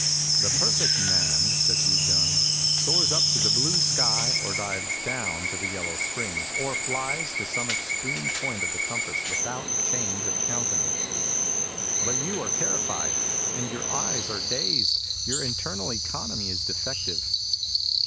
*' The perfect man," said Wu JSn, " soars up to the blue sky, or dives down to the yellow springs,^ or flies to some extreme point of the compass, without change of countenance. But you are terrified, and your eyes are dazed. Your internal economy is defective."